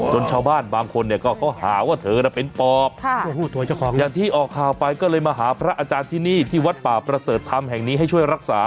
ชาวบ้านบางคนเนี่ยก็เขาหาว่าเธอน่ะเป็นปอบอย่างที่ออกข่าวไปก็เลยมาหาพระอาจารย์ที่นี่ที่วัดป่าประเสริฐธรรมแห่งนี้ให้ช่วยรักษา